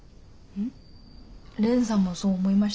うん。